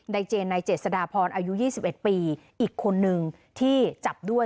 เจนในเจษฎาพรอายุ๒๑ปีอีกคนนึงที่จับด้วย